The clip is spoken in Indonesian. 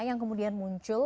yang kemudian muncul